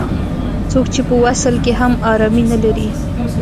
څوک چې په وصل کې هم ارامي نه لري.